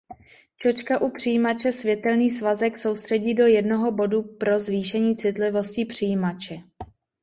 Čočka u přijímače světelný svazek soustředí do jednoho bodu pro zvýšení citlivosti přijímače.